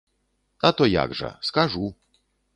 А то як жа, скажу.